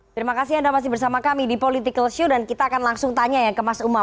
terima kasih anda masih bersama kami di political show dan kita akan langsung tanya ya ke mas umam